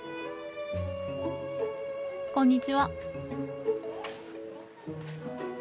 こんにちは。